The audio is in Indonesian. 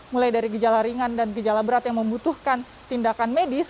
mulai dari gejala ringan dan gejala berat yang membutuhkan tindakan medis